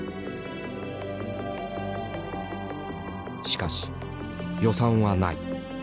しかし予算はない。